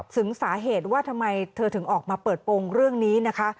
ถึงสาเหตุว่าทำไมเธอถึงออกมาเปิดโปรงเรื่องนี้นะคะ